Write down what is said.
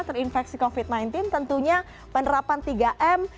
terinfeksi covid sembilan belas tentunya penerapan tiga m